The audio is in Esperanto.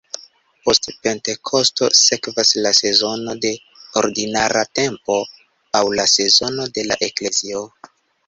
Post Pentekosto sekvas la sezono de "Ordinara tempo", aŭ la sezono de la Eklezio.